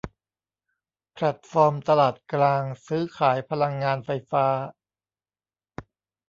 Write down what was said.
แพลตฟอร์มตลาดกลางซื้อขายพลังงานไฟฟ้า